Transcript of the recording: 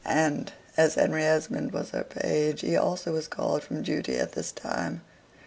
And, as Harry Esmond was her page, he also was called from duty at this time.